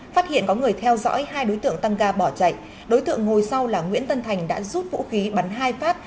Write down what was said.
phát hiện có người theo dõi hai đối tượng tăng ga bỏ chạy đối tượng ngồi sau là nguyễn tân thành đã rút vũ khí bắn hai phát